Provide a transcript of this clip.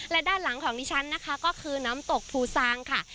และด้านหลังของดิฉันนะคะก็คือน้ำตกภูซางค่ะ